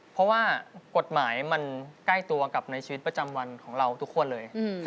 เพราะว่ากฎหมายมันใกล้ตัวกับในชีวิตประจำวันของเราทุกคนเลย